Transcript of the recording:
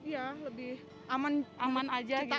ya lebih aman juga